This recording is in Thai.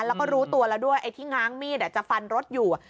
แล้วก็รู้ตัวแล้วด้วยไอ้ที่ง้างมีดจะฟันรถอยู่